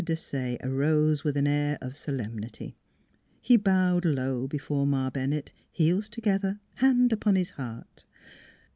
Desaye arose with an air of solemnity; he bowed low before Ma Bennett, heels together, hand upon his heart.